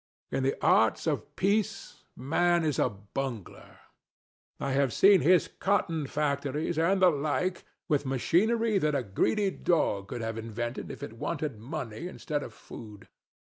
In the arts of peace Man is a bungler. I have seen his cotton factories and the like, with machinery that a greedy dog could have invented if it had wanted money instead of food.